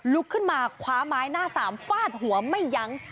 ลุกขึ้นมาคว้าไม้หน้าสามฟาดหัวไม่ยั้ง